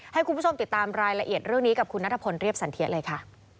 ให้คุณผู้ชมติดตามรายละเอียดเรื่องนี้กับคุณนัทพลเรียบสันเทียเลยค่ะ